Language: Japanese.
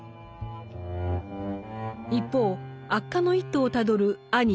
一方悪化の一途をたどる兄兵衛の眼。